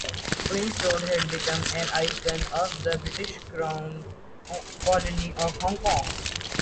Queen's Road has become an icon of the British Crown colony of Hong Kong.